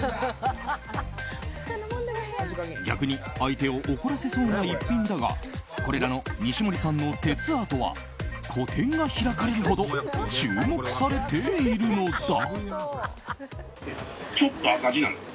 逆に相手を怒らせそうな一品だがこれらの西森さんの鉄アートは個展が開かれるほど注目されているのだ。